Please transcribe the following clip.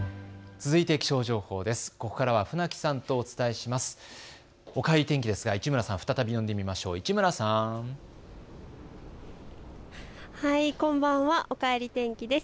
続いて気象情報です。